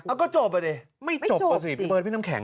อ้าวก็จบอ่ะนี่ไม่จบสิมีเบอร์ดพี่น้ำแข็งอ่ะ